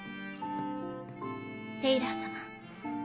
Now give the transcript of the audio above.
テイラー様。